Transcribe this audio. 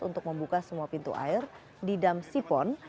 untuk membuka semua pintu air di dam sipon